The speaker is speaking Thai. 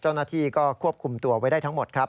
เจ้าหน้าที่ก็ควบคุมตัวไว้ได้ทั้งหมดครับ